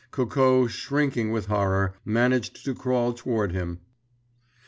Coco, shrinking with horror, managed to crawl toward him....